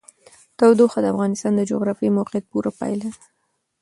تودوخه د افغانستان د جغرافیایي موقیعت پوره پایله ده.